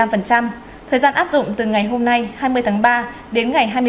thời gian áp dụng từ ngày hôm nay hai mươi tháng ba đến ngày hai mươi sáu tháng bốn